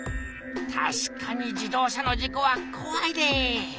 たしかに自動車の事故はこわいで。